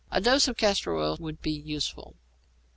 A dose of castor oil would be useful.